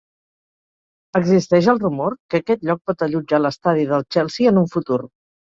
Existeix el rumor que aquest lloc pot allotjar l'estadi del Chelsea en un futur.